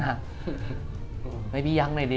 ให้พี่ยั้งหน่อยดิ